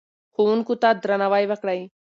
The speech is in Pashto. ښوونکو ته درناوی وکړئ.